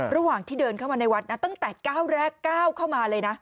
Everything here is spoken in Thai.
ระหว่างที่เดินเข้ามาในวัดนะตั้งแต่ก้าวแรกก้าวเข้ามาเลยนะ